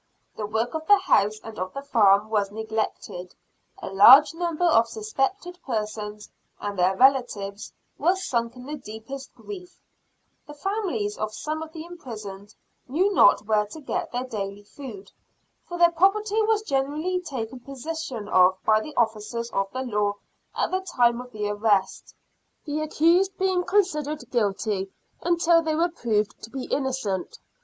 The work of the house and of the farm was neglected; a large number of suspected persons and their relatives were sunk in the deepest grief, the families of some of the imprisoned knew not where to get their daily food; for their property was generally taken possession of by the officers of the law at the time of the arrest, the accused being considered guilty until they were proved to be innocent.